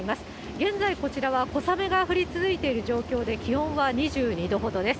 現在、こちらは小雨が降り続いている状況で、気温は２２度ほどです。